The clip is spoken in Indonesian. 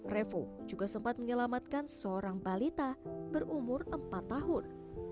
revo juga sempat menyelamatkan seorang balita berumur empat tahun